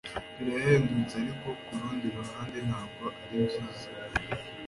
birahendutse, ariko kurundi ruhande ntabwo ari byiza